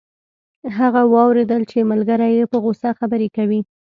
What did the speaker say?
هغه واوریدل چې ملګری یې په غوسه خبرې کوي